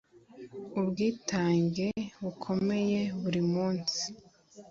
ubwitange bukomeye buri munsi